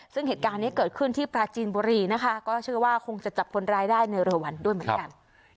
ซึ่งเหตุการณ์นี้เกิดขึ้นที่ปราจีนบุรีนะคะก็เชื่อว่าคงจะจับคนร้ายได้ในเร็ววันด้วยเหมือนกัน